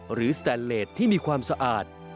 หรือแสนเลสที่มีความสะอาด